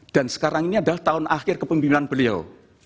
dan sekarang ini adalah tahun akhir kepemimpinan beliau